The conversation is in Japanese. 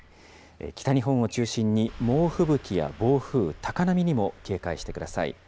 北日本を中心に猛吹雪や暴風、高波にも警戒してください。